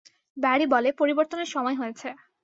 Barry বলে পরিবর্তনের সময় হয়েছে।